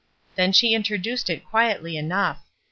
Then she introduced it quietly enough.